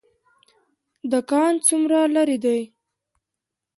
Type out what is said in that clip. دکان څومره لرې دی؟